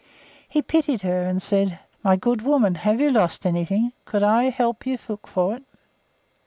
He pitied her, and said: "My good woman, have you lost anything? Could I help you to look for it?"